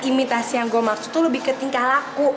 imitasi yang gue maksud tuh lebih ke tingkah laku